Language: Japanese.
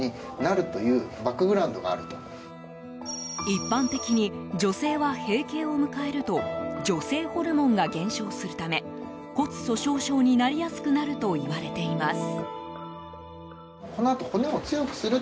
一般的に女性は閉経を迎えると女性ホルモンが減少するため骨粗しょう症になりやすくなるといわれています。